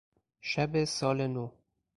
شب سال نو